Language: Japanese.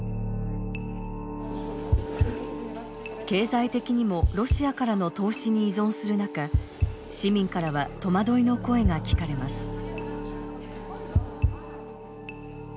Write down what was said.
経済的にもロシアからの投資に依存する中市民からは戸惑いの声が聞かれます。